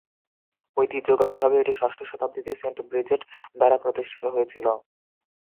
ঐতিহ্যগতভাবে, এটি ষষ্ঠ শতাব্দীতে সেন্ট ব্রিজেট দ্বারা প্রতিষ্ঠিত হয়েছিল।